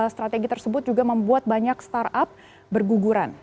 strategi tersebut juga membuat banyak startup berguguran